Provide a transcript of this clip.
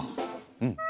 うん。